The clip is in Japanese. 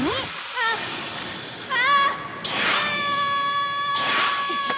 ああ。